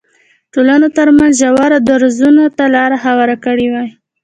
ټولنو ترمنځ ژورو درزونو ته لار هواره کړې وای.